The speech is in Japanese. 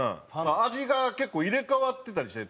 味が結構入れ替わってたりして。